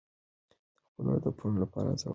د خپلو هدفونو لپاره هڅه وکړئ.